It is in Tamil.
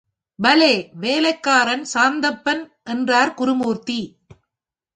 பலே வேலைக்காரன் சாந்தப்பன்! என்றார் குருமூர்த்தி.